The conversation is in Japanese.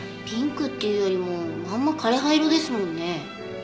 ピンクっていうよりもまんま枯れ葉色ですもんね。